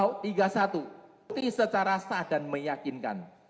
secara sah dan meyakinkan